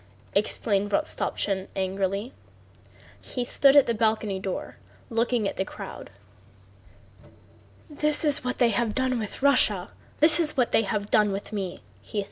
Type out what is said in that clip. exclaimed Rostopchín angrily. He stood by the balcony door looking at the crowd. "This is what they have done with Russia! This is what they have done with me!"